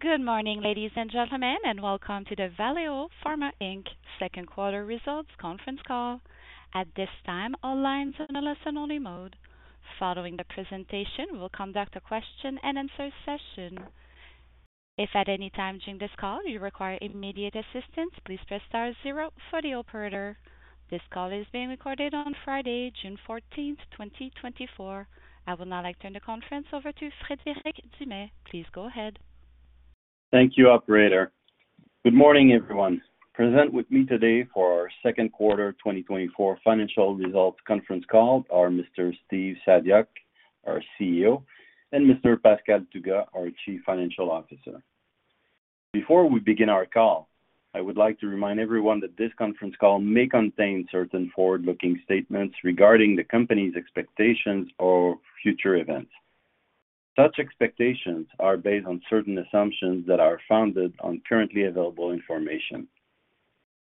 Good morning, ladies and gentlemen, and welcome to the Valeo Pharma Inc Second Quarter Results Conference Call. At this time, all lines are in a listen-only mode. Following the presentation, we'll conduct a question-and-answer session. If at any time during this call you require immediate assistance, please press star zero for the operator. This call is being recorded on Friday, June 14th, 2024. I will now like to turn the conference over to Frederic Dumais. Please go ahead. Thank you, Operator. Good morning, everyone. Present with me today for our Second Quarter 2024 Financial Results Conference Call are Mr. Steve Saviuk, our CEO, and Mr. Pascal Tougas, our Chief Financial Officer. Before we begin our call, I would like to remind everyone that this conference call may contain certain forward-looking statements regarding the company's expectations or future events. Such expectations are based on certain assumptions that are founded on currently available information.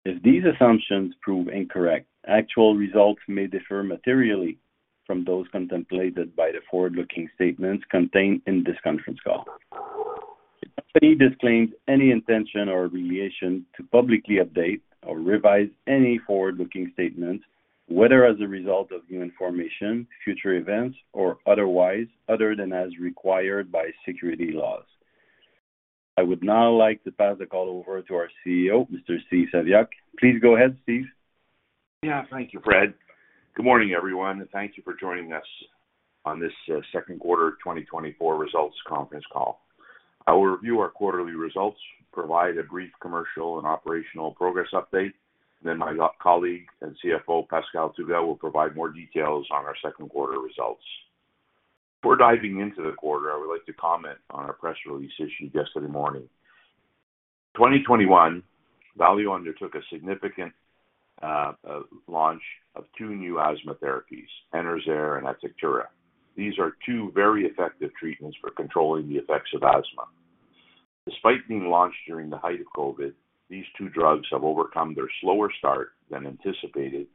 If these assumptions prove incorrect, actual results may differ materially from those contemplated by the forward-looking statements contained in this conference call. The company disclaims any intention or obligation to publicly update or revise any forward-looking statements, whether as a result of new information, future events, or otherwise other than as required by securities laws. I would now like to pass the call over to our CEO, Mr. Steve Saviuk. Please go ahead, Steve. Yeah, thank you, Fred. Good morning, everyone, and thank you for joining us on this Second Quarter 2024 Results Conference Call. I will review our quarterly results, provide a brief commercial and operational progress update, and then my colleague and CFO, Pascal Tougas, will provide more details on our second quarter results. Before diving into the quarter, I would like to comment on our press release issued yesterday morning. In 2021, Valeo undertook a significant launch of two new asthma therapies, Enerzair and Atectura. These are two very effective treatments for controlling the effects of asthma. Despite being launched during the height of COVID, these two drugs have overcome their slower start than anticipated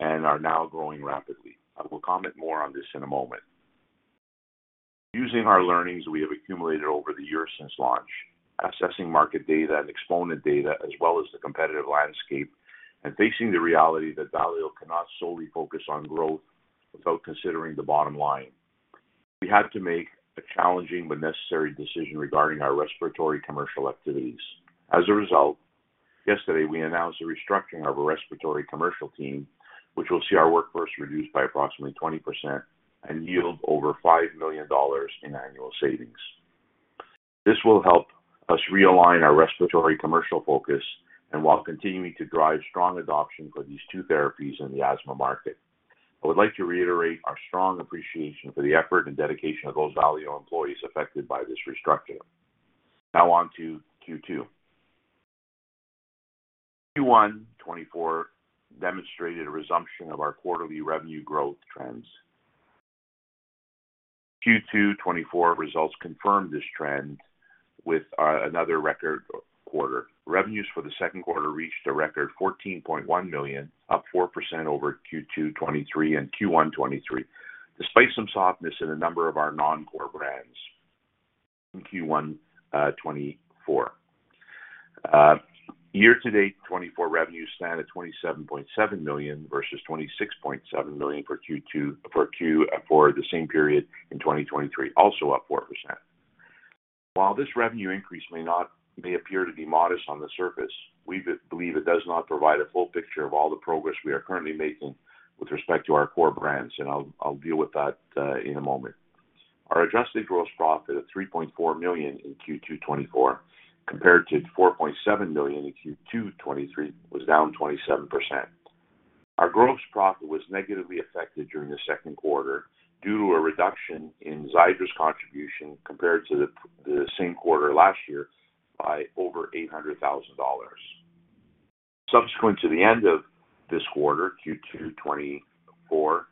and are now growing rapidly. I will comment more on this in a moment. Using our learnings we have accumulated over the years since launch, assessing market data and Xponent data as well as the competitive landscape, and facing the reality that Valeo cannot solely focus on growth without considering the bottom line, we had to make a challenging but necessary decision regarding our respiratory commercial activities. As a result, yesterday we announced the restructuring of our respiratory commercial team, which will see our workforce reduced by approximately 20% and yield over 5 million dollars in annual savings. This will help us realign our respiratory commercial focus while continuing to drive strong adoption for these two therapies in the asthma market. I would like to reiterate our strong appreciation for the effort and dedication of those Valeo employees affected by this restructuring. Now on to Q2. Q1 2024 demonstrated a resumption of our quarterly revenue growth trends. Q2 2024 results confirmed this trend with another record quarter. Revenues for the second quarter reached a record 14.1 million, up 4% over Q2 2023 and Q1 2023, despite some softness in a number of our non-core brands in Q1 2024. Year-to-date 2024 revenues stand at 27.7 million versus 26.7 million for Q2 for the same period in 2023, also up 4%. While this revenue increase may appear to be modest on the surface, we believe it does not provide a full picture of all the progress we are currently making with respect to our core brands, and I'll deal with that in a moment. Our adjusted gross profit of 3.4 million in Q2 2024, compared to 4.7 million in Q2 2023, was down 27%. Our gross profit was negatively affected during the second quarter due to a reduction in Xiidra's contribution compared to the same quarter last year by over 800,000 dollars. Subsequent to the end of this quarter, Q2 2024,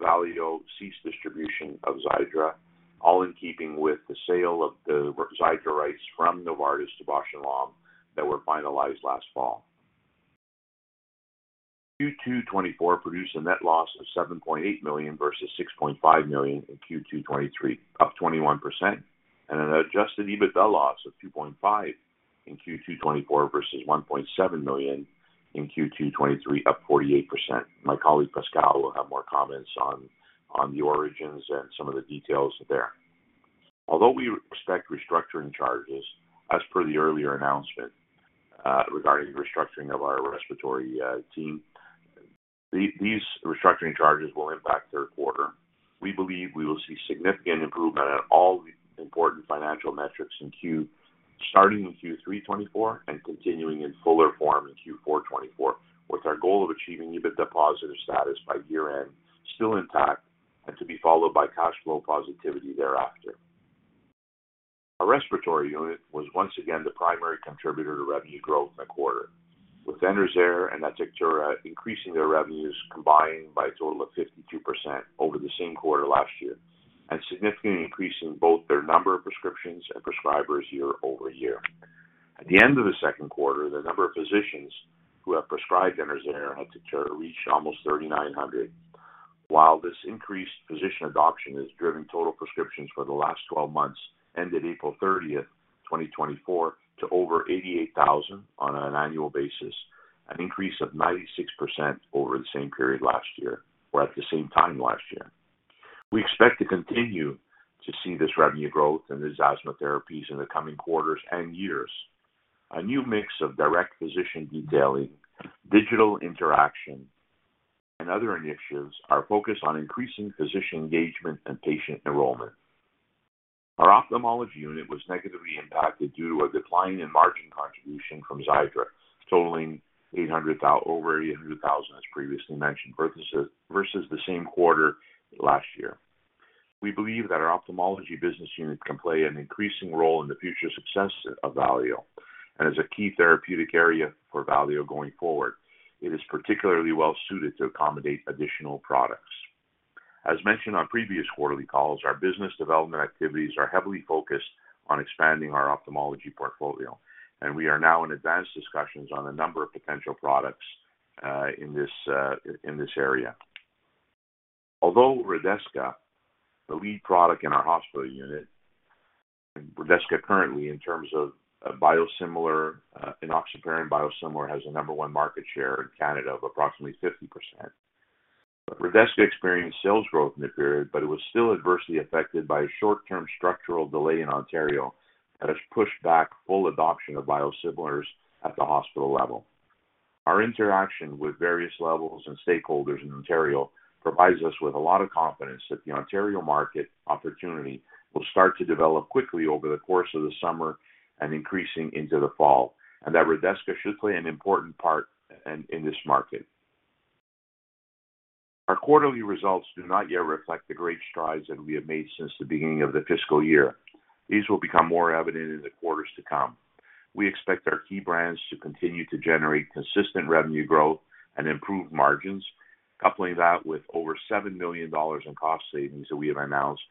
Valeo ceased distribution of Xiidra, all in keeping with the sale of the Xiidra rights from Novartis to Bausch + Lomb that were finalized last fall. Q2 2024 produced a net loss of 7.8 million versus 6.5 million in Q2 2023, up 21%, and an adjusted EBITDA loss of 2.5 in Q2 2024 versus 1.7 million in Q2 2023, up 48%. My colleague Pascal will have more comments on the origins and some of the details there. Although we expect restructuring charges, as per the earlier announcement regarding the restructuring of our respiratory team, these restructuring charges will impact third quarter. We believe we will see significant improvement in all the important financial metrics in Q2, starting in Q3 2024 and continuing in fuller form in Q4 2024, with our goal of achieving EBITDA positive status by year-end, still intact, and to be followed by cash flow positivity thereafter. Our respiratory unit was once again the primary contributor to revenue growth in the quarter, with Enerzair and Atectura increasing their revenues combined by a total of 52% over the same quarter last year and significantly increasing both their number of prescriptions and prescribers year-over-year. At the end of the second quarter, the number of physicians who have prescribed Enerzair and Atectura reached almost 3,900, while this increased physician adoption has driven total prescriptions for the last 12 months ended April 30th, 2024, to over 88,000 on an annual basis, an increase of 96% over the same period last year or at the same time last year. We expect to continue to see this revenue growth in these asthma therapies in the coming quarters and years. A new mix of direct physician detailing, digital interaction, and other initiatives are focused on increasing physician engagement and patient enrollment. Our ophthalmology unit was negatively impacted due to a declining margin contribution from Xiidra, totaling over 800,000, as previously mentioned, versus the same quarter last year. We believe that our ophthalmology business unit can play an increasing role in the future success of Valeo and is a key therapeutic area for Valeo going forward. It is particularly well-suited to accommodate additional products. As mentioned on previous quarterly calls, our business development activities are heavily focused on expanding our ophthalmology portfolio, and we are now in advanced discussions on a number of potential products in this area. Although Redesca, the lead product in our hospital unit, and Redesca currently, in terms of biosimilar, enoxaparin biosimilar, has a number one market share in Canada of approximately 50%. Redesca experienced sales growth in the period, but it was still adversely affected by a short-term structural delay in Ontario that has pushed back full adoption of biosimilars at the hospital level. Our interaction with various levels and stakeholders in Ontario provides us with a lot of confidence that the Ontario market opportunity will start to develop quickly over the course of the summer and increasing into the fall, and that Redesca should play an important part in this market. Our quarterly results do not yet reflect the great strides that we have made since the beginning of the fiscal year. These will become more evident in the quarters to come. We expect our key brands to continue to generate consistent revenue growth and improve margins, coupling that with over 7 million dollars in cost savings that we have announced,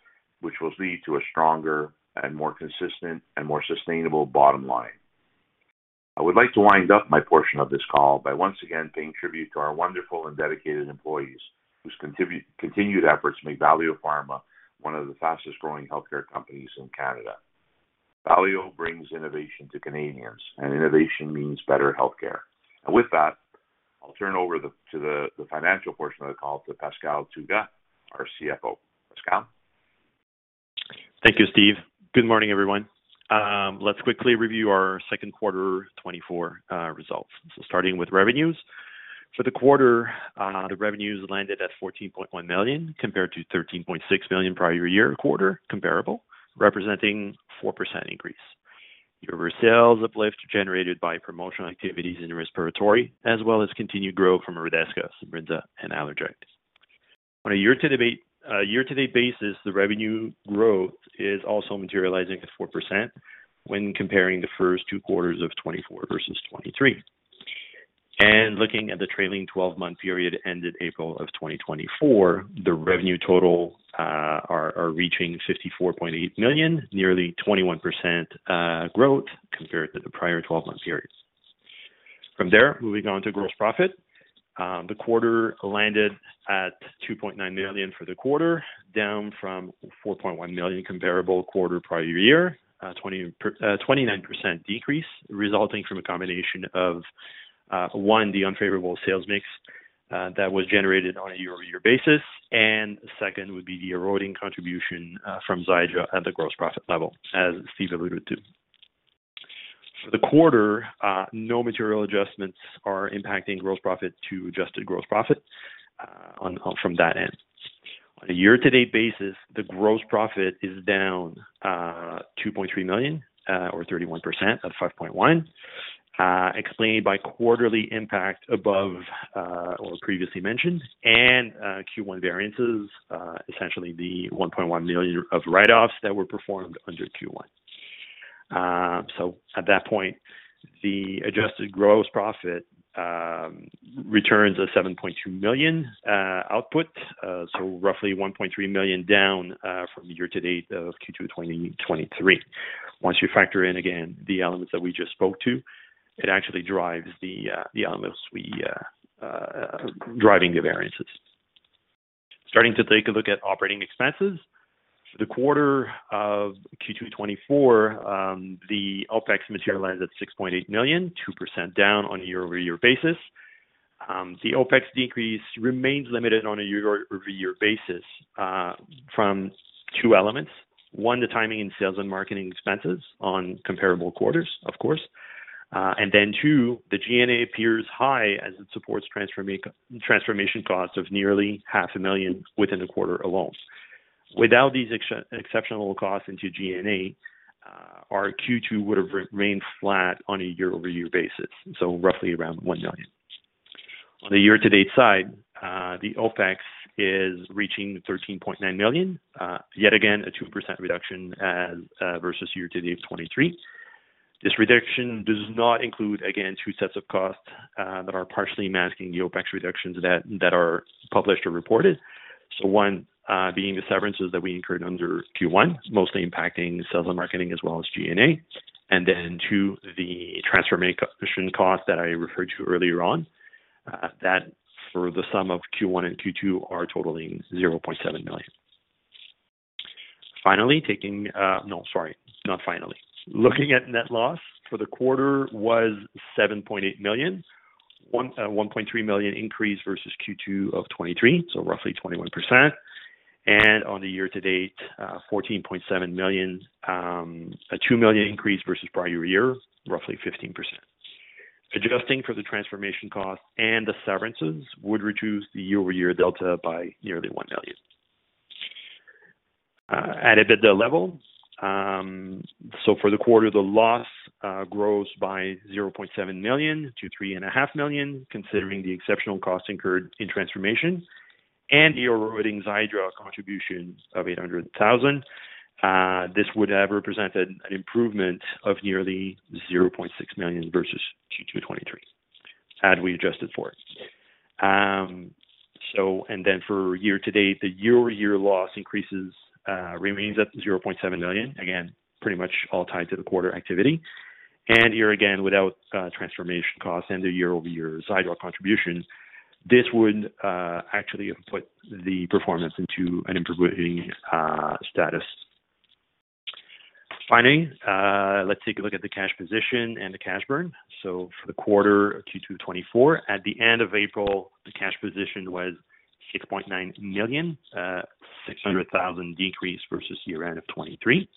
which will lead to a stronger, more consistent, and more sustainable bottom line. I would like to wind up my portion of this call by once again paying tribute to our wonderful and dedicated employees whose continued efforts make Valeo Pharma one of the fastest-growing healthcare companies in Canada. Valeo brings innovation to Canadians, and innovation means better healthcare. And with that, I'll turn over to the financial portion of the call to Pascal Tougas, our CFO. Pascal? Thank you, Steve. Good morning, everyone. Let's quickly review our second quarter 2024 results. So starting with revenues, for the quarter, the revenues landed at 14.1 million compared to 13.6 million prior year quarter, comparable, representing a 4% increase. There were sales uplift generated by promotional activities in respiratory, as well as continued growth from Redesca, Simbrinza, and Allerject. On a year-to-date basis, the revenue growth is also materializing at 4% when comparing the first two quarters of 2024 versus 2023. And looking at the trailing 12-month period ended April of 2024, the revenue total is reaching 54.8 million, nearly 21% growth compared to the prior 12-month period. From there, moving on to gross profit, the quarter landed at 2.9 million for the quarter, down from 4.1 million, comparable quarter prior year, a 29% decrease resulting from a combination of, one, the unfavorable sales mix that was generated on a year-over-year basis, and second would be the eroding contribution from Xiidra at the gross profit level, as Steve alluded to. For the quarter, no material adjustments are impacting gross profit to adjusted gross profit from that end. On a year-to-date basis, the gross profit is down 2.3 million, or 31% of 5.1 million, explained by quarterly impact above what was previously mentioned and Q1 variances, essentially the 1.1 million of write-offs that were performed under Q1. So at that point, the adjusted gross profit returns a 7.2 million output, so roughly 1.3 million down from year-to-date of Q2 2023. Once you factor in, again, the elements that we just spoke to, it actually drives the elements driving the variances. Starting to take a look at operating expenses, for the quarter of Q2 2024, the OPEX materialized at 6.8 million, 2% down on a year-over-year basis. The OPEX decrease remains limited on a year-over-year basis from two elements. One, the timing in sales and marketing expenses on comparable quarters, of course. And then two, the G&A appears high as it supports transformation costs of nearly 500,000 within a quarter alone. Without these exceptional costs into G&A, our Q2 would have remained flat on a year-over-year basis, so roughly around 1 million. On the year-to-date side, the OPEX is reaching 13.9 million, yet again a 2% reduction versus year-to-date of 2023. This reduction does not include, again, two sets of costs that are partially masking the OPEX reductions that are published or reported. So one being the severances that we incurred under Q1, mostly impacting sales and marketing as well as G&A. And then two, the transformation costs that I referred to earlier on, that for the sum of Q1 and Q2 are totaling 0.7 million. Finally, taking - no, sorry, not finally. Looking at net loss for the quarter was 7.8 million, a 1.3 million increase versus Q2 of 2023, so roughly 21%. And on the year-to-date, 14.7 million, a 2 million increase versus prior year, roughly 15%. Adjusting for the transformation costs and the severances would reduce the year-over-year delta by nearly 1 million. At EBITDA level, so for the quarter, the loss grows by 0.7 million-3.5 million, considering the exceptional costs incurred in transformation and the eroding Xiidra contribution of 800,000. This would have represented an improvement of nearly 0.6 million versus Q2 2023, had we adjusted for it. And then for year-to-date, the year-over-year loss remains at 0.7 million, again, pretty much all tied to the quarter activity. And here again, without transformation costs and the year-over-year Xiidra contribution, this would actually put the performance into an improving status. Finally, let's take a look at the cash position and the cash burn. So for the quarter of Q2 2024, at the end of April, the cash position was 6.9 million, a 600,000 decrease versus year-end of 2023.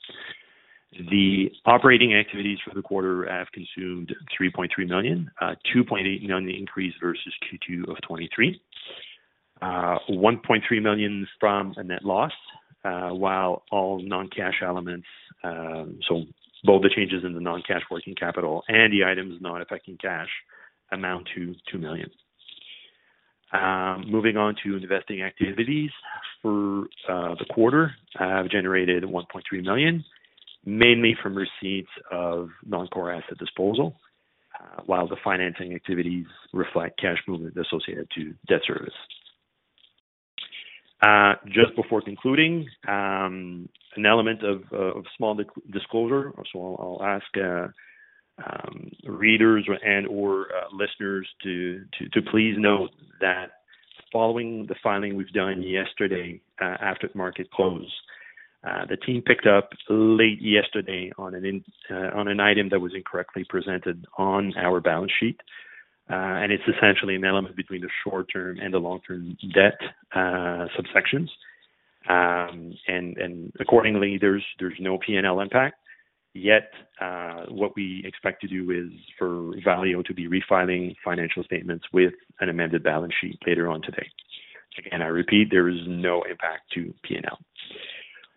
The operating activities for the quarter have consumed 3.3 million, a 2.8 million increase versus Q2 of 2023, 1.3 million from a net loss, while all non-cash elements, so both the changes in the non-cash working capital and the items not affecting cash, amount to 2 million. Moving on to investing activities for the quarter, have generated 1.3 million, mainly from receipts of non-core asset disposal, while the financing activities reflect cash movement associated to debt service. Just before concluding, an element of small disclosure, so I'll ask readers and/or listeners to please note that following the filing we've done yesterday after the market closed, the team picked up late yesterday on an item that was incorrectly presented on our balance sheet. It's essentially an element between the short-term and the long-term debt subsections. Accordingly, there's no P&L impact. Yet what we expect to do is for Valeo to be refiling financial statements with an amended balance sheet later on today. Again, I repeat, there is no impact to P&L.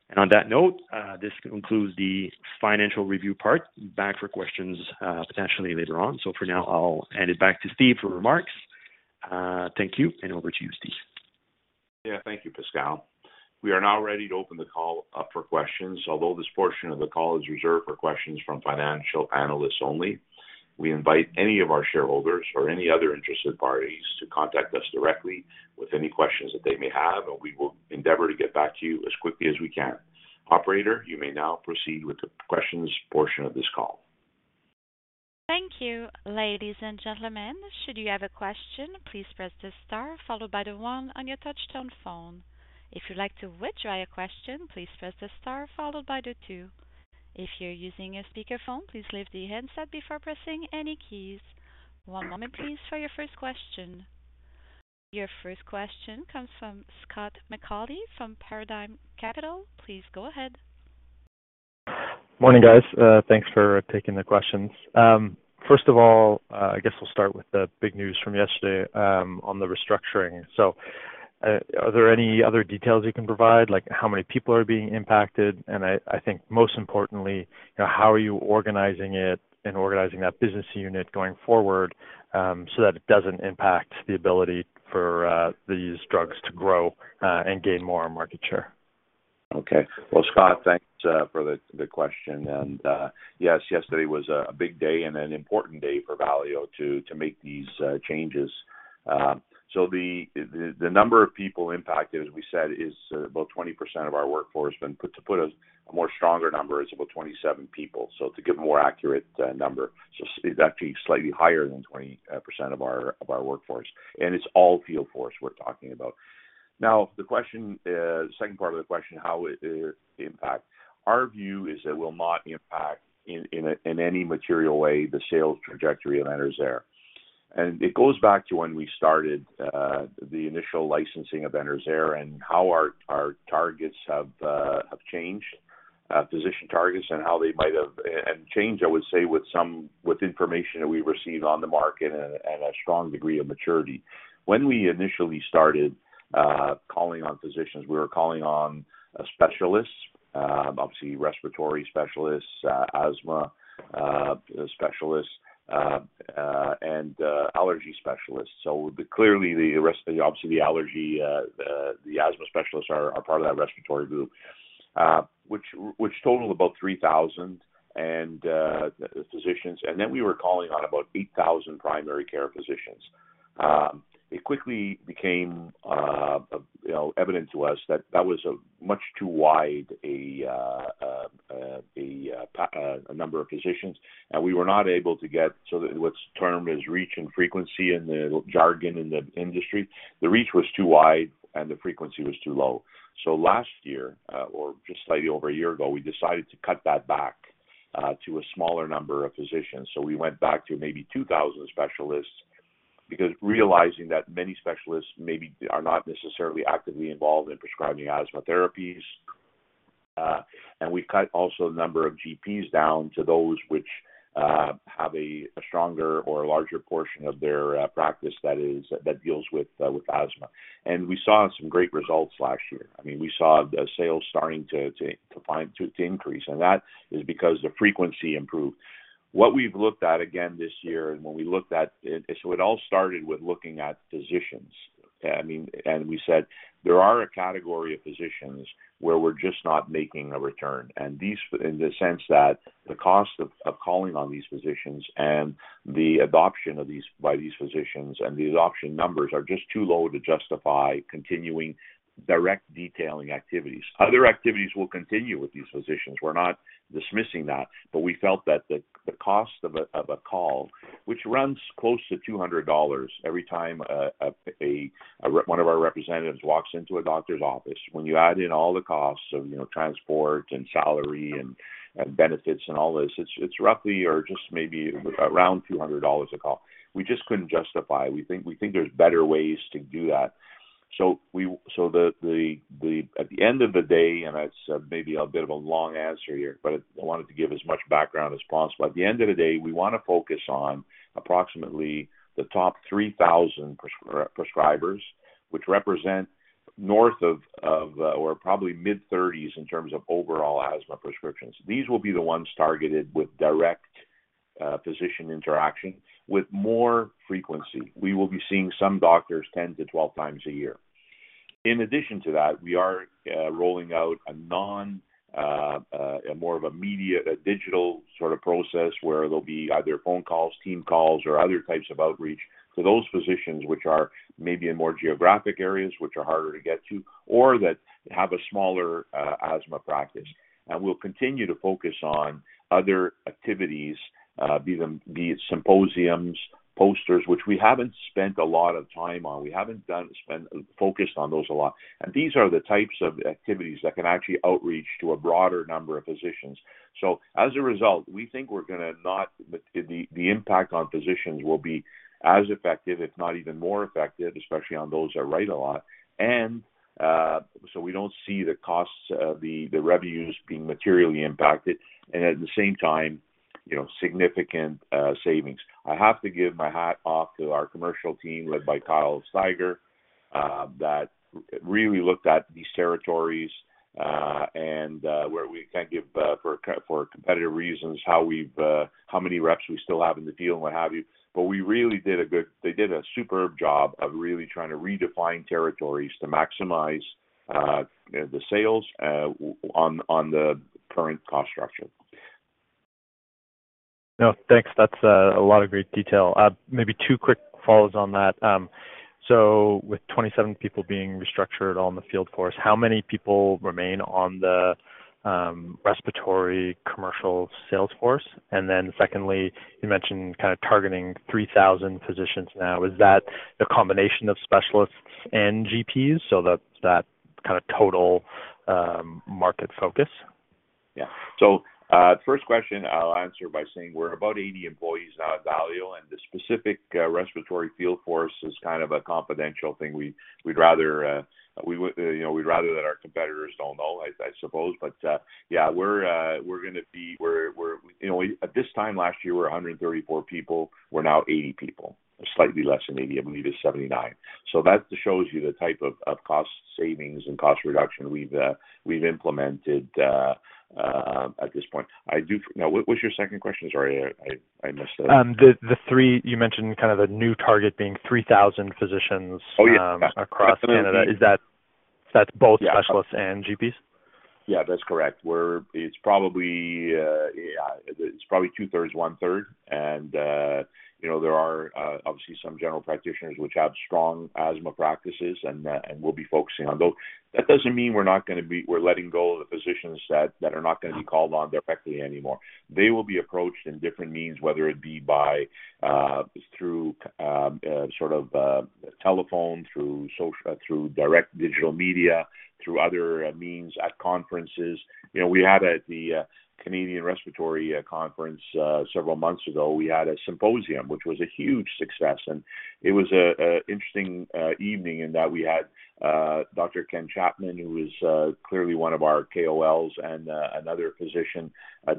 And on that note, this concludes the financial review part. Back for questions potentially later on. So for now, I'll hand it back to Steve for remarks. Thank you, and over to you, Steve. Yeah, thank you, Pascal. We are now ready to open the call up for questions. Although this portion of the call is reserved for questions from financial analysts only, we invite any of our shareholders or any other interested parties to contact us directly with any questions that they may have, and we will endeavor to get back to you as quickly as we can. Operator, you may now proceed with the questions portion of this call. Thank you, ladies and gentlemen. Should you have a question, please press the star followed by the one on your touch-tone phone. If you'd like to withdraw your question, please press the star followed by the two. If you're using a speakerphone, please leave the headset before pressing any keys. One moment, please, for your first question. Your first question comes from Scott McAuley from Paradigm Capital. Please go ahead. Morning, guys. Thanks for taking the questions. First of all, I guess we'll start with the big news from yesterday on the restructuring. So are there any other details you can provide, like how many people are being impacted? And I think most importantly, how are you organizing it and organizing that business unit going forward so that it doesn't impact the ability for these drugs to grow and gain more market share? Okay. Well, Scott, thanks for the question. Yes, yesterday was a big day and an important day for Valeo to make these changes. So the number of people impacted, as we said, is about 20% of our workforce. To put a more stronger number, it's about 27 people. So to give a more accurate number, it's actually slightly higher than 20% of our workforce. And it's all field force we're talking about. Now, the second part of the question, how it impacts, our view is it will not impact in any material way the sales trajectory of Enerzair. And it goes back to when we started the initial licensing of Enerzair and how our targets have changed, physician targets, and how they might have changed, I would say, with information that we received on the market and a strong degree of maturity. When we initially started calling on physicians, we were calling on specialists, obviously respiratory specialists, asthma specialists, and allergy specialists. Clearly, obviously, the allergy, the asthma specialists are part of that respiratory group, which totaled about 3,000 physicians. Then we were calling on about 8,000 primary care physicians. It quickly became evident to us that that was a much too wide number of physicians. We were not able to get to what's termed as reach and frequency in the jargon in the industry. The reach was too wide, and the frequency was too low. Last year, or just slightly over a year ago, we decided to cut that back to a smaller number of physicians. We went back to maybe 2,000 specialists because realizing that many specialists maybe are not necessarily actively involved in prescribing asthma therapies. We cut also the number of GPs down to those which have a stronger or larger portion of their practice that deals with asthma. We saw some great results last year. I mean, we saw the sales starting to increase. That is because the frequency improved. What we've looked at again this year, and when we looked at it, so it all started with looking at physicians. We said, "There are a category of physicians where we're just not making a return." In the sense that the cost of calling on these physicians and the adoption by these physicians and the adoption numbers are just too low to justify continuing direct detailing activities. Other activities will continue with these physicians. We're not dismissing that. But we felt that the cost of a call, which runs close to 200 dollars every time one of our representatives walks into a doctor's office, when you add in all the costs of transport and salary and benefits and all this, it's roughly or just maybe around 200 dollars a call. We just couldn't justify it. We think there's better ways to do that. So at the end of the day, and it's maybe a bit of a long answer here, but I wanted to give as much background as possible. At the end of the day, we want to focus on approximately the top 3,000 prescribers, which represent north of or probably mid-30s in terms of overall asthma prescriptions. These will be the ones targeted with direct physician interaction with more frequency. We will be seeing some doctors 10-12 times a year. In addition to that, we are rolling out more of a digital sort of process where there'll be either phone calls, team calls, or other types of outreach to those physicians which are maybe in more geographic areas which are harder to get to or that have a smaller asthma practice. We'll continue to focus on other activities, be it symposiums, posters, which we haven't spent a lot of time on. We haven't focused on those a lot. These are the types of activities that can actually outreach to a broader number of physicians. So as a result, we think we're going to not the impact on physicians will be as effective, if not even more effective, especially on those that write a lot. So we don't see the costs, the revenues being materially impacted. And at the same time, significant savings. I have to take my hat off to our commercial team led by Kyle Steiger that really looked at these territories and where we can give for competitive reasons how many reps we still have in the field and what have you. But they did a superb job of really trying to redefine territories to maximize the sales on the current cost structure. No. Thanks. That's a lot of great detail. Maybe two quick follows on that. So with 27 people being restructured on the field force, how many people remain on the respiratory commercial sales force? And then secondly, you mentioned kind of targeting 3,000 physicians now. Is that a combination of specialists and GPs? So that's that kind of total market focus. Yeah. So first question, I'll answer by saying we're about 80 employees now at Valeo. And the specific respiratory field force is kind of a confidential thing. We'd rather that our competitors don't know, I suppose. But yeah, we're going to be at this time last year, we were 134 people. We're now 80 people, slightly less than 80. I believe it's 79. So that shows you the type of cost savings and cost reduction we've implemented at this point. Now, what was your second question? Sorry, I missed it. The three, you mentioned kind of the new target being 3,000 physicians across Canada. Is that both specialists and GPs? Yeah, that's correct. It's probably two-thirds, one-third. And there are obviously some general practitioners which have strong asthma practices, and we'll be focusing on those. That doesn't mean we're not going to be letting go of the physicians that are not going to be called on directly anymore. They will be approached in different means, whether it be through sort of telephone, through direct digital media, through other means at conferences. We had at the Canadian Respiratory Conference several months ago, we had a symposium, which was a huge success. And it was an interesting evening in that we had Dr. Ken Chapman, who is clearly one of our KOLs, and another physician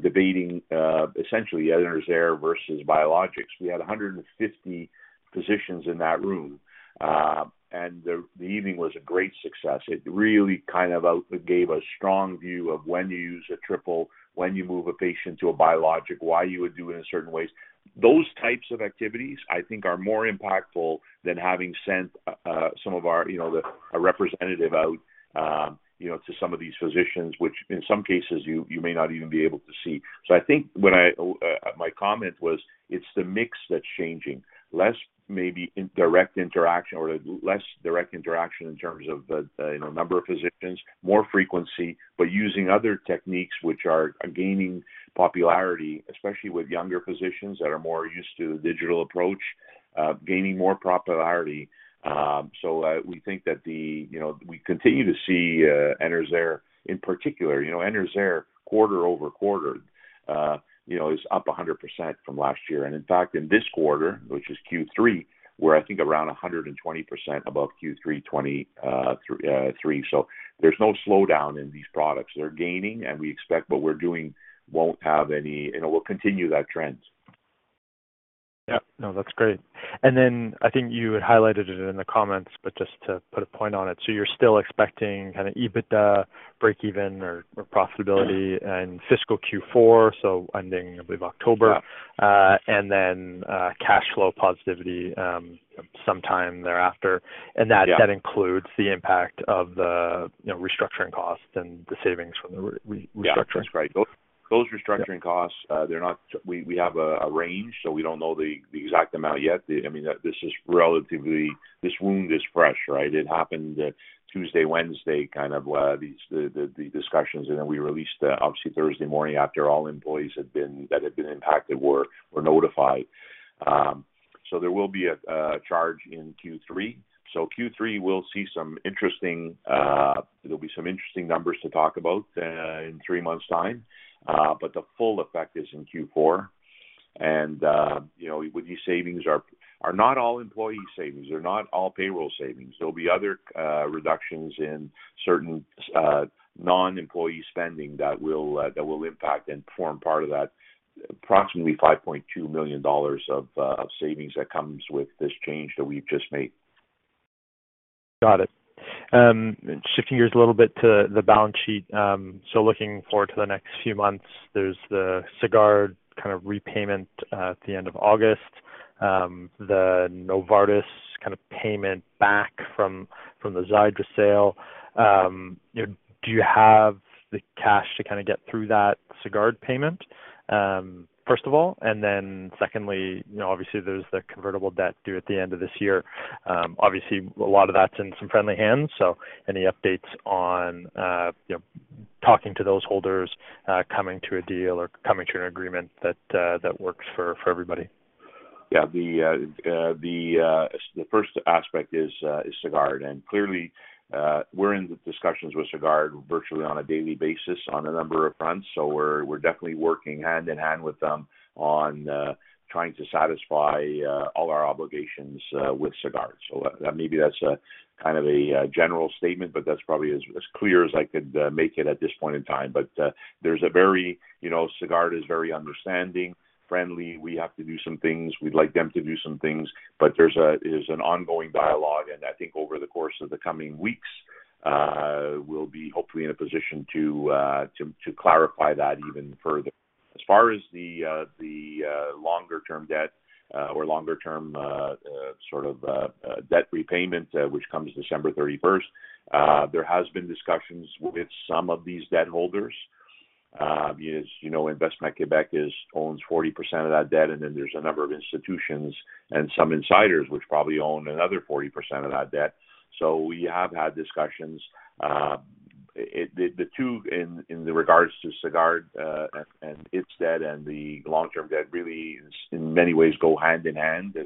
debating essentially Enerzair versus biologics. We had 150 physicians in that room. And the evening was a great success. It really kind of gave a strong view of when you use a triple, when you move a patient to a biologic, why you would do it in certain ways. Those types of activities, I think, are more impactful than having sent some of our representatives out to some of these physicians, which in some cases, you may not even be able to see. So I think my comment was it's the mix that's changing. Less maybe direct interaction or less direct interaction in terms of number of physicians, more frequency, but using other techniques which are gaining popularity, especially with younger physicians that are more used to the digital approach, gaining more popularity. So we think that we continue to see Enerzair, in particular, Enerzair quarter-over-quarter is up 100% from last year. In fact, in this quarter, which is Q3, we're, I think, around 120% above Q3 2023. So there's no slowdown in these products. They're gaining, and we expect what we're doing won't have any; we'll continue that trend. Yeah. No, that's great. And then I think you had highlighted it in the comments, but just to put a point on it. So you're still expecting kind of EBITDA, breakeven, or profitability in fiscal Q4, so ending, I believe, October, and then cash flow positivity sometime thereafter. And that includes the impact of the restructuring costs and the savings from the restructuring. Yes, right. Those restructuring costs, we have a range, so we don't know the exact amount yet. I mean, this is relatively this wound is fresh, right? It happened Tuesday, Wednesday, kind of the discussions. And then we released obviously Thursday morning after all employees that had been impacted were notified. So there will be a charge in Q3. So Q3, we'll see some interesting there'll be some interesting numbers to talk about in three months' time. But the full effect is in Q4. And with these savings are not all employee savings. They're not all payroll savings. There'll be other reductions in certain non-employee spending that will impact and form part of that approximately 5.2 million dollars of savings that comes with this change that we've just made. Got it. Shifting gears a little bit to the balance sheet. So looking forward to the next few months, there's the Sagard kind of repayment at the end of August, the Novartis kind of payment back from the Xiidra sale. Do you have the cash to kind of get through that Sagard payment, first of all? And then secondly, obviously, there's the convertible debt due at the end of this year. Obviously, a lot of that's in some friendly hands. So any updates on talking to those holders, coming to a deal or coming to an agreement that works for everybody? Yeah. The first aspect is Sagard. Clearly, we're in discussions with Sagard virtually on a daily basis on a number of fronts. So we're definitely working hand in hand with them on trying to satisfy all our obligations with Sagard. So maybe that's kind of a general statement, but that's probably as clear as I could make it at this point in time. But there's a very Sagard is very understanding, friendly. We have to do some things. We'd like them to do some things. But there's an ongoing dialogue. And I think over the course of the coming weeks, we'll be hopefully in a position to clarify that even further. As far as the longer-term debt or longer-term sort of debt repayment, which comes December 31st, there has been discussions with some of these debt holders. Investissement Québec owns 40% of that debt. Then there's a number of institutions and some insiders which probably own another 40% of that debt. We have had discussions. The two in regards to Sagard and its debt and the long-term debt really, in many ways, go hand in hand.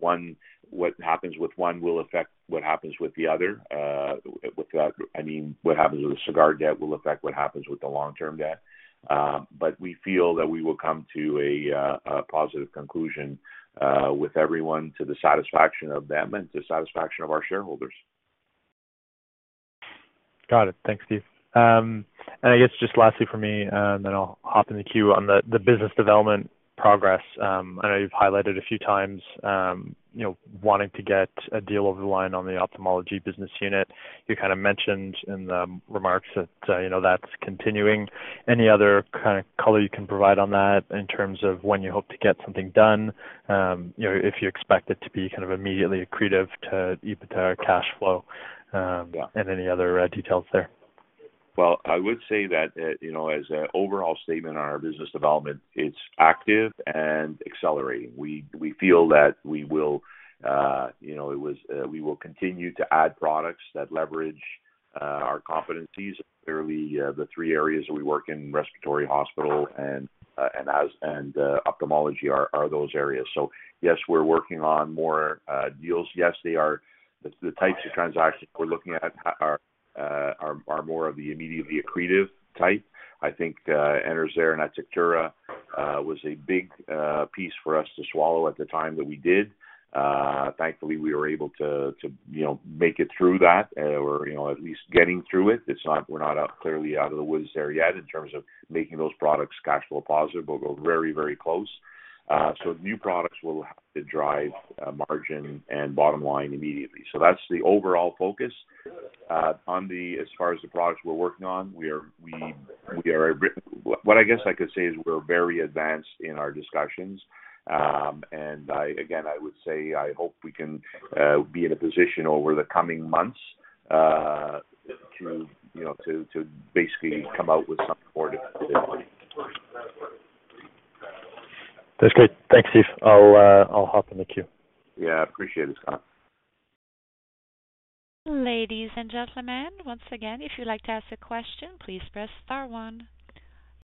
What happens with one will affect what happens with the other. I mean, what happens with the Sagard debt will affect what happens with the long-term debt. But we feel that we will come to a positive conclusion with everyone to the satisfaction of them and to the satisfaction of our shareholders. Got it. Thanks, Steve. I guess just lastly for me, and then I'll hop in the queue on the business development progress. I know you've highlighted a few times wanting to get a deal over the line on the ophthalmology business unit. You kind of mentioned in the remarks that that's continuing. Any other kind of color you can provide on that in terms of when you hope to get something done, if you expect it to be kind of immediately accretive to EBITDA or cash flow, and any other details there? Well, I would say that as an overall statement on our business development, it's active and accelerating. We feel that we will continue to add products that leverage our competencies. Clearly, the three areas that we work in, respiratory, hospital, and ophthalmology, are those areas. So yes, we're working on more deals. Yes, the types of transactions we're looking at are more of the immediately accretive type. I think Enerzair and Atectura was a big piece for us to swallow at the time that we did. Thankfully, we were able to make it through that or at least getting through it. We're not clearly out of the woods there yet in terms of making those products cash flow positive. We'll go very, very close. So new products will drive margin and bottom line immediately. So that's the overall focus. As far as the products we're working on, what I guess I could say is we're very advanced in our discussions. And again, I would say I hope we can be in a position over the coming months to basically come out with some more definitive. That's great. Thanks, Steve. I'll hop in the queue. Yeah. I appreciate it, Scott. Ladies and gentlemen, once again, if you'd like to ask a question, please press star one.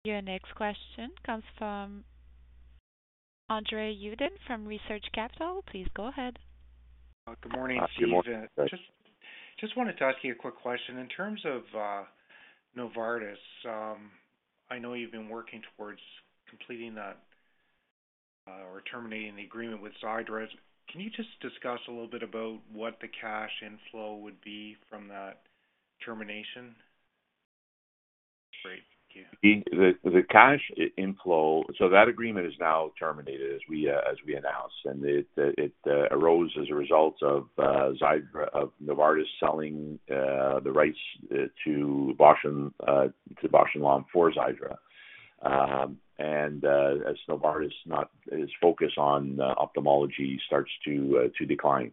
Your next question comes from André Uddin from Research Capital. Please go ahead. Good morning, Steve. Just wanted to ask you a quick question. In terms of Novartis, I know you've been working towards completing that or terminating the agreement with Xiidra. Can you just discuss a little bit about what the cash inflow would be from that termination? Great. Thank you. The cash inflow, so that agreement is now terminated as we announced. It arose as a result of Novartis selling the rights to Bausch + Lomb for Xiidra. As Novartis's focus on ophthalmology starts to decline,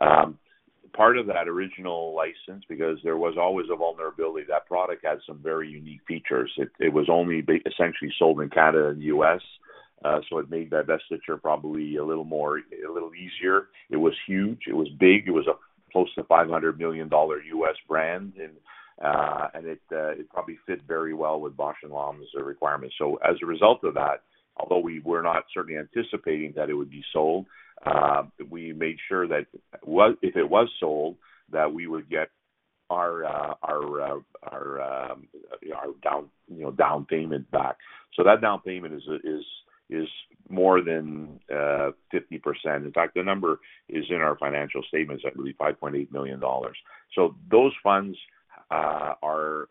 part of that original license, because there was always a vulnerability, that product had some very unique features. It was only essentially sold in Canada and the U.S. So it made that divestiture probably a little easier. It was huge. It was big. It was close to $500 million brand. It probably fit very well with Bausch + Lomb's requirements. So as a result of that, although we were not certainly anticipating that it would be sold, we made sure that if it was sold, that we would get our down payment back. So that down payment is more than 50%. In fact, the number is in our financial statements at $5.8 million. So those funds are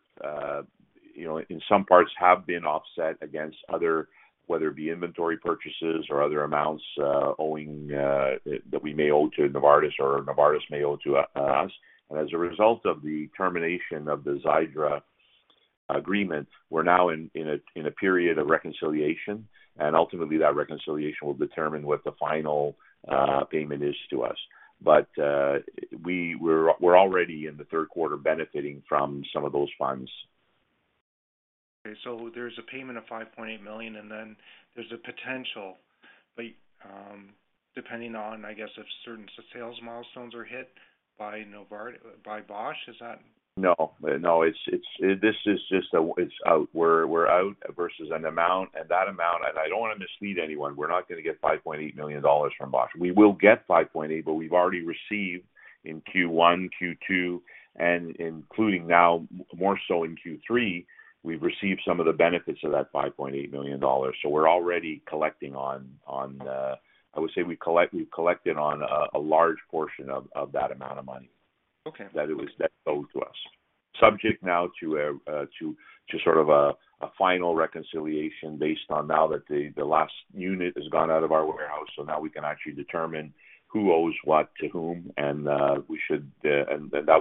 in some parts have been offset against other, whether it be inventory purchases or other amounts that we may owe to Novartis or Novartis may owe to us. And as a result of the termination of the Xiidra agreement, we're now in a period of reconciliation. And ultimately, that reconciliation will determine what the final payment is to us. But we're already in the third quarter benefiting from some of those funds. Okay. So there's a payment of $5.8 million, and then there's a potential, depending on, I guess, if certain sales milestones are hit by Bausch. Is that? No. No, this is just a write-off versus an amount. And that amount, and I don't want to mislead anyone, we're not going to get $5.8 million from Bausch + Lomb. We will get $5.8 million, but we've already received in Q1, Q2, and including now more so in Q3, we've received some of the benefits of that $5.8 million. So we're already collecting on, I would say we've collected on a large portion of that amount of money that it was owed to us. Subject now to sort of a final reconciliation based on now that the last unit has gone out of our warehouse. So now we can actually determine who owes what to whom. And that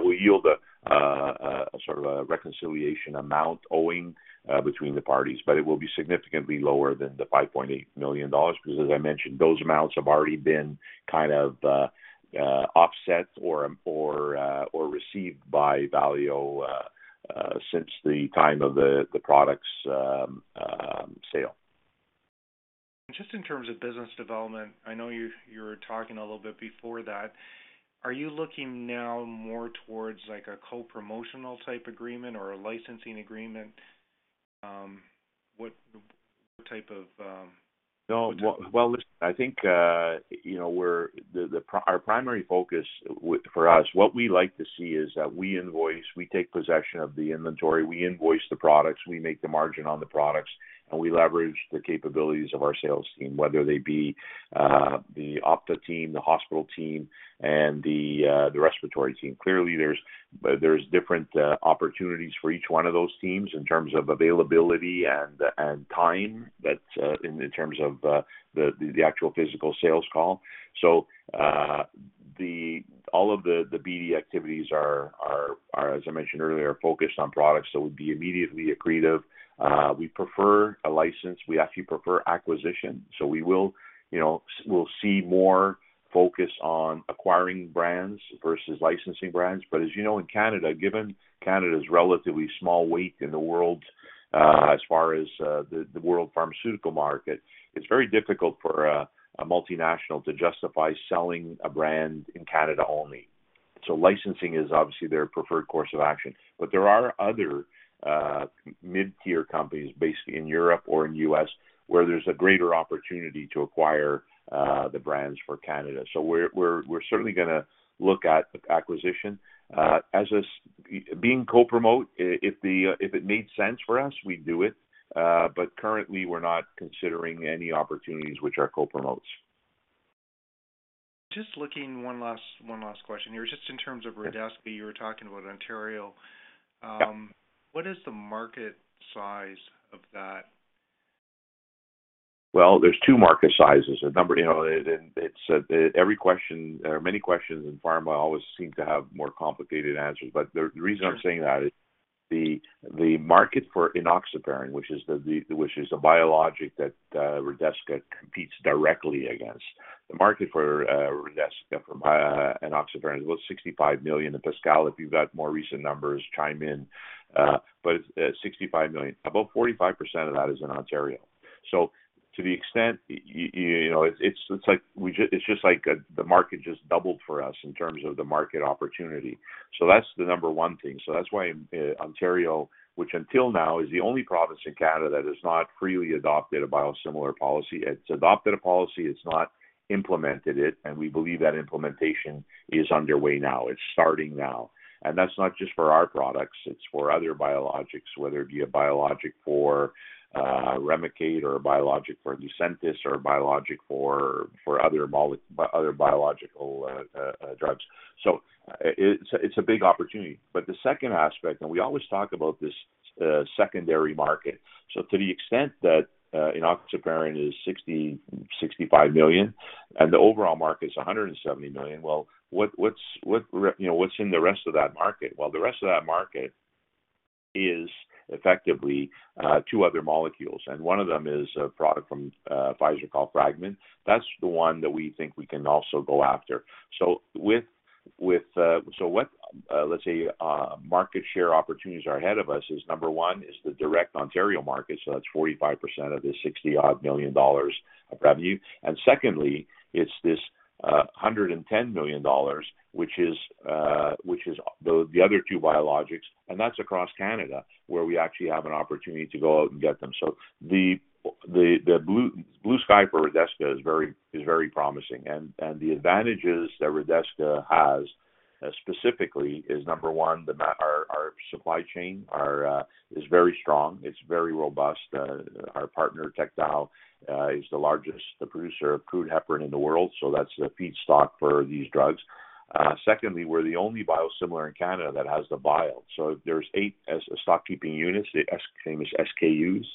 will yield a sort of a reconciliation amount owing between the parties. But it will be significantly lower than the $5.8 million because, as I mentioned, those amounts have already been kind of offset or received by Valeo since the time of the product's sale. Just in terms of business development, I know you were talking a little bit before that. Are you looking now more towards a co-promotional type agreement or a licensing agreement? What type of? No. Well, listen, I think our primary focus for us, what we like to see is that we invoice, we take possession of the inventory, we invoice the products, we make the margin on the products, and we leverage the capabilities of our sales team, whether they be the Ophtho team, the hospital team, and the respiratory team. Clearly, there's different opportunities for each one of those teams in terms of availability and time in terms of the actual physical sales call. So all of the BD activities are, as I mentioned earlier, focused on products that would be immediately accretive. We prefer a license. We actually prefer acquisition. So we'll see more focus on acquiring brands versus licensing brands. As you know, in Canada, given Canada's relatively small weight in the world as far as the world pharmaceutical market, it's very difficult for a multinational to justify selling a brand in Canada only. Licensing is obviously their preferred course of action. There are other mid-tier companies based in Europe or in the U.S. where there's a greater opportunity to acquire the brands for Canada. We're certainly going to look at acquisition. As being co-promote, if it made sense for us, we'd do it. Currently, we're not considering any opportunities which are co-promotes. Just looking one last question here. Just in terms of Redesca, you were talking about Ontario. What is the market size of that? Well, there's two market sizes. And every question or many questions in pharma always seem to have more complicated answers. But the reason I'm saying that is the market for enoxaparin, which is a biologic that Redesca competes directly against. The market for Redesca from enoxaparin, about 65 million. Pascal, if you've got more recent numbers, chime in. But it's 65 million. About 45% of that is in Ontario. So to the extent, it's just like the market just doubled for us in terms of the market opportunity. So that's the number one thing. So that's why Ontario, which until now is the only province in Canada that has not freely adopted a biosimilar policy. It's adopted a policy. It's not implemented it. And we believe that implementation is underway now. It's starting now. And that's not just for our products. It's for other biologics, whether it be a biologic for Remicade or a biologic for Lucentis or a biologic for other biological drugs. So it's a big opportunity. But the second aspect, and we always talk about this secondary market. So to the extent that enoxaparin is 65 million and the overall market is 170 million, well, what's in the rest of that market? Well, the rest of that market is effectively two other molecules. And one of them is a product from Pfizer called Fragmin. That's the one that we think we can also go after. So what, let's say, market share opportunities are ahead of us is number one is the direct Ontario market. So that's 45% of the 60-odd million dollars of revenue. And secondly, it's this 110 million dollars, which is the other two biologics. That's across Canada where we actually have an opportunity to go out and get them. The blue sky for Redesca is very promising. The advantages that Redesca has, specifically, is number one, our supply chain is very strong. It's very robust. Our partner, Techdow, is the largest producer of crude heparin in the world. So that's the feedstock for these drugs. Secondly, we're the only biosimilar in Canada that has the vial. So there's eight stock-keeping units, the famous SKUs,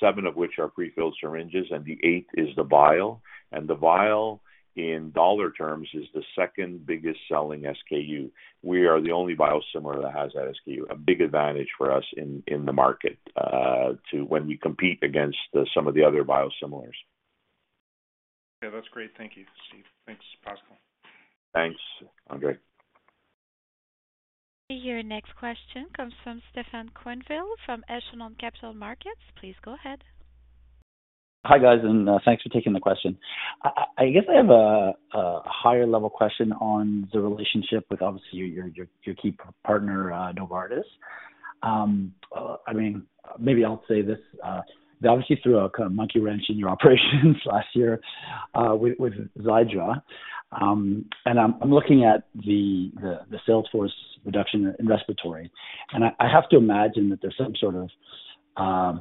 seven of which are prefilled syringes, and the eighth is the vial. The vial, in dollar terms, is the second biggest selling SKU. We are the only biosimilar that has that SKU. A big advantage for us in the market when we compete against some of the other biosimilars. Yeah. That's great. Thank you, Steve. Thanks, Pascal. Thanks, Andrei. Your next question comes from Stefan Quenneville from Echelon Capital Markets. Please go ahead. Hi guys, and thanks for taking the question. I guess I have a higher-level question on the relationship with, obviously, your key partner, Novartis. I mean, maybe I'll say this. They obviously threw a monkey wrench in your operations last year with Xiidra. I'm looking at the sales force reduction in respiratory. I have to imagine that there's some sort of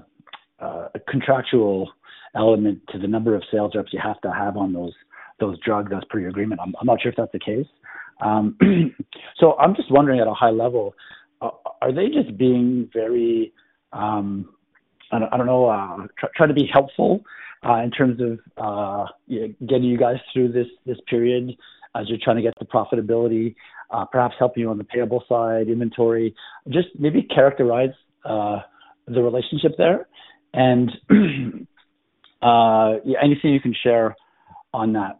contractual element to the number of sales reps you have to have on those drugs as per your agreement. I'm not sure if that's the case. I'm just wondering at a high level, are they just being very, I don't know, trying to be helpful in terms of getting you guys through this period as you're trying to get the profitability, perhaps helping you on the payable side, inventory? Just maybe characterize the relationship there and anything you can share on that.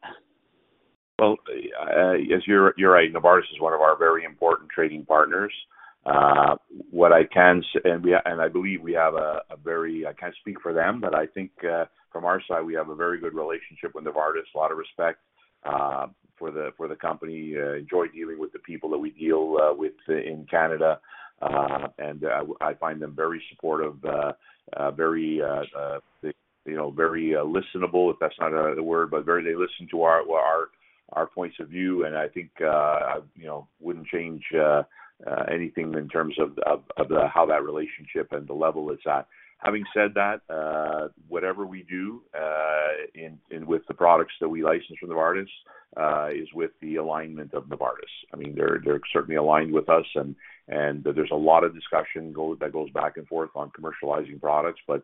Well, as you're right, Novartis is one of our very important trading partners. What I can say, and I believe we have a very—I can't speak for them, but I think from our side, we have a very good relationship with Novartis. A lot of respect for the company. I enjoy dealing with the people that we deal with in Canada. And I find them very supportive, very listenable, if that's not a word, but they listen to our points of view. And I think I wouldn't change anything in terms of how that relationship and the level it's at. Having said that, whatever we do with the products that we license from Novartis is with the alignment of Novartis. I mean, they're certainly aligned with us. And there's a lot of discussion that goes back and forth on commercializing products. But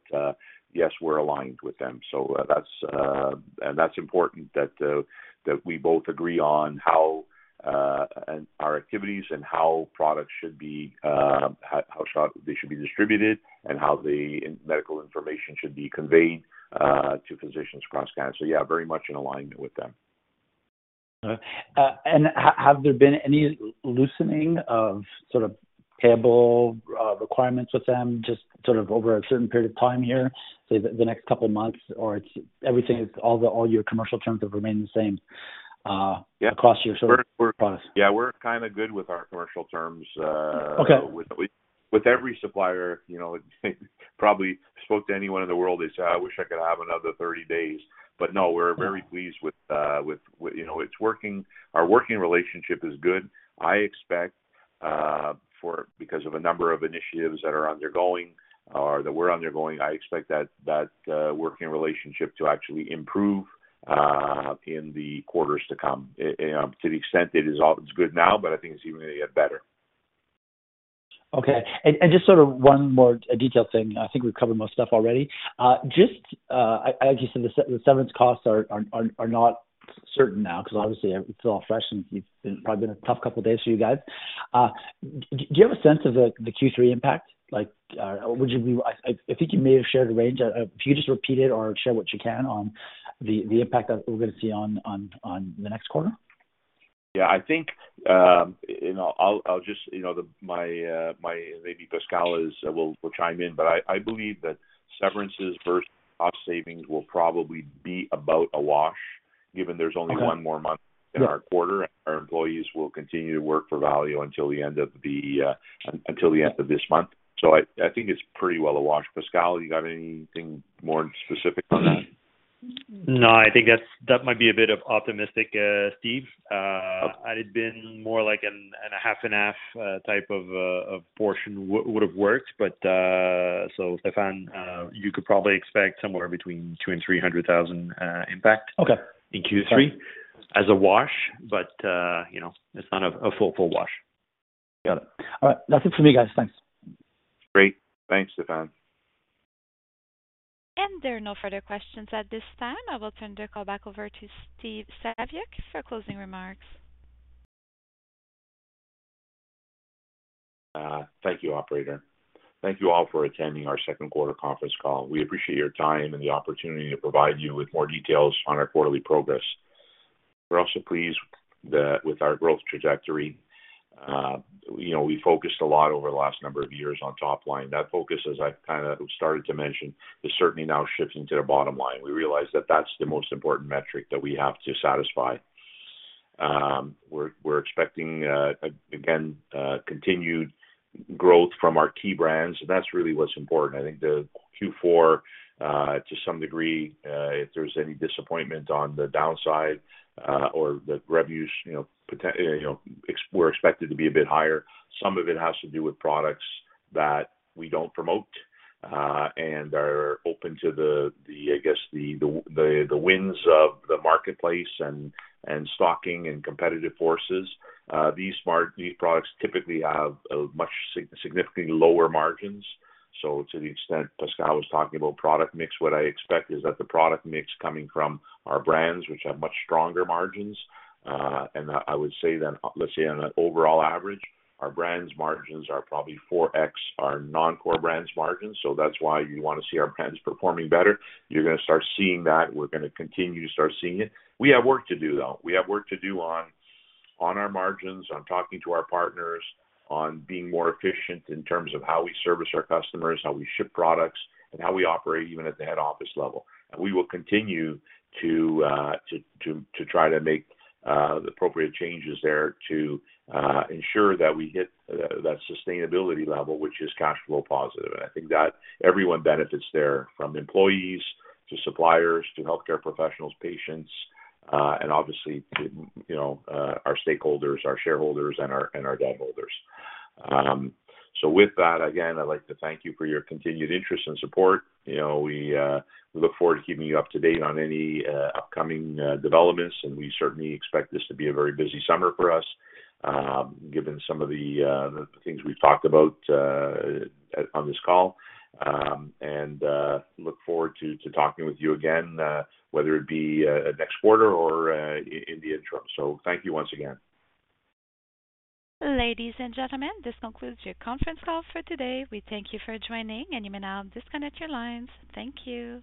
yes, we're aligned with them. So that's important that we both agree on our activities and how they should be distributed and how the medical information should be conveyed to physicians across Canada. So yeah, very much in alignment with them. Okay. And have there been any loosening of sort of payable requirements with them just sort of over a certain period of time here, say the next couple of months, or everything, all your commercial terms have remained the same across your sort of products? Yeah. We're kind of good with our commercial terms. With every supplier, probably spoke to anyone in the world, they say, "I wish I could have another 30 days." But no, we're very pleased with it's working. Our working relationship is good. I expect because of a number of initiatives that are undergoing or that we're undergoing, I expect that working relationship to actually improve in the quarters to come. To the extent it is good now, but I think it's even going to get better. Okay. And just sort of one more detailed thing. I think we've covered most stuff already. Just, like you said, the severance costs are not certain now because obviously, it's all fresh and it's probably been a tough couple of days for you guys. Do you have a sense of the Q3 impact? Would you be, I think you may have shared a range. If you could just repeat it or share what you can on the impact that we're going to see on the next quarter. Yeah. I think I'll just, maybe Pascal will chime in, but I believe that severances versus cost savings will probably be about a wash given there's only one more month in our quarter. Our employees will continue to work for Valeo until the end of this month. So I think it's pretty well a wash. Pascal, you got anything more specific on that? No, I think that might be a bit of optimistic, Steve. I had been more like a half-and-half type of portion would have worked. But so Stefan, you could probably expect somewhere between 200,000 and 300,000 impact in Q3 as a wash, but it's not a full, full wash. Got it. All right. That's it for me, guys. Thanks. Great. Thanks, Stefan. There are no further questions at this time. I will turn the call back over to Steve Saviuk for closing remarks. Thank you, operator. Thank you all for attending our second quarter conference call. We appreciate your time and the opportunity to provide you with more details on our quarterly progress. We're also pleased with our growth trajectory. We focused a lot over the last number of years on top line. That focus, as I kind of started to mention, is certainly now shifting to the bottom line. We realize that that's the most important metric that we have to satisfy. We're expecting, again, continued growth from our key brands. And that's really what's important. I think the Q4, to some degree, if there's any disappointment on the downside or the revenues, we're expected to be a bit higher. Some of it has to do with products that we don't promote and are open to the, I guess, the winds of the marketplace and stocking and competitive forces. These products typically have much significantly lower margins. So to the extent Pascal was talking about product mix, what I expect is that the product mix coming from our brands, which have much stronger margins. And I would say that, let's say, on an overall average, our brands' margins are probably 4x our non-core brands' margins. So that's why you want to see our brands performing better. You're going to start seeing that. We're going to continue to start seeing it. We have work to do, though. We have work to do on our margins, on talking to our partners, on being more efficient in terms of how we service our customers, how we ship products, and how we operate even at the head office level. We will continue to try to make the appropriate changes there to ensure that we hit that sustainability level, which is cash flow positive. I think that everyone benefits there from employees to suppliers to healthcare professionals, patients, and obviously our stakeholders, our shareholders, and our debt holders. With that, again, I'd like to thank you for your continued interest and support. We look forward to keeping you up to date on any upcoming developments. We certainly expect this to be a very busy summer for us, given some of the things we've talked about on this call. And look forward to talking with you again, whether it be next quarter or in the interim. Thank you once again. Ladies and gentlemen, this concludes your conference call for today. We thank you for joining, and you may now disconnect your lines. Thank you.